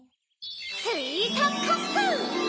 スイートカップ！